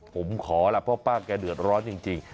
ผมขอล่ะเพราะป้าแกเดือดร้อนจริง